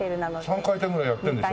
３回転ぐらいやってるでしょ。